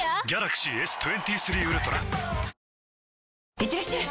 いってらっしゃい！